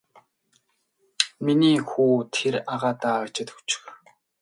Миний хүү тэр агаадаа аваачаад өгчих.